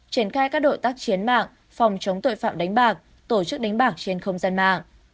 triển khai các đội tác chiến mạng phòng chống tội phạm đánh bạc tổ chức đánh bạc trên không gian mạng